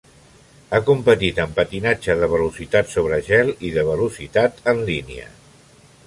Ha competit en patinatge de velocitat sobre gel i de velocitat en línia.